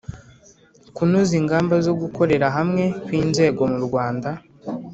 kunoza ingamba zo gukorera hamwe kw'inzego mu rwanda